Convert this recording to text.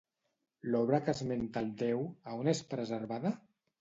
L'obra que esmenta al déu, a on és preservada?